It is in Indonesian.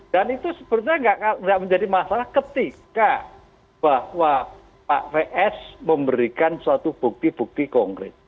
itu sebenarnya tidak menjadi masalah ketika bahwa pak vs memberikan suatu bukti bukti konkret